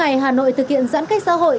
sáu mươi ngày hà nội thực hiện giãn cách xã hội